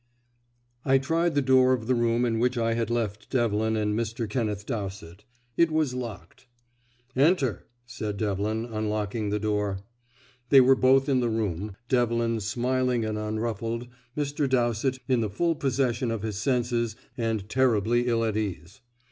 I tried the door of the room in which I had left Devlin and Mr. Kenneth Dowsett. It was locked. "Enter," said Devlin, unlocking the door. They were both in the room, Devlin smiling and unruffled, Mr. Dowsett in the full possession of his senses, and terribly ill at ease.